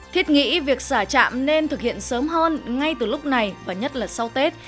thiết nghĩ việc xả trạm nên thực hiện sớm hơn ngay từ lúc này và nhất là sau tết